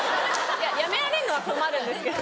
辞められるのは困るんですけど。